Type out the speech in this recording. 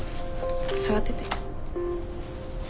座ってて。